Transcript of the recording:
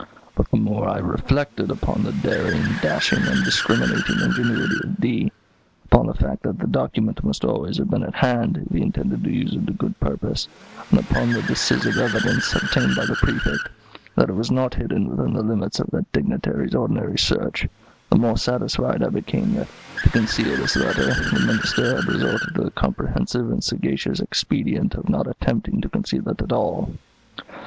"But the more I reflected upon the daring, dashing, and discriminating ingenuity of D ; upon the fact that the document must always have been at hand, if he intended to use it to good purpose; and upon the decisive evidence, obtained by the Prefect, that it was not hidden within the limits of that dignitary's ordinary search, the more satisfied I became that, to conceal this letter, the Minister had resorted to the comprehensive and sagacious expedient of not attempting to conceal it at all.